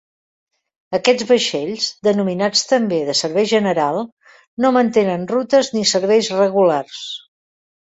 Aquests vaixells, denominats també de servei general, no mantenen rutes ni serveis regulars.